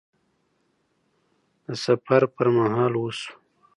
د سفر پر مهال وشو